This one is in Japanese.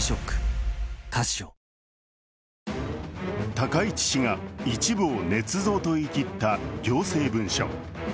高市氏が一部をねつ造と言い切った行政文書。